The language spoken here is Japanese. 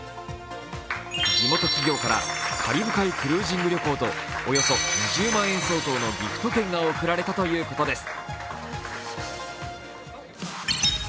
地元企業からカリブ海クルージング旅行とおよそ２０万円相当のギフト券が贈られたということです。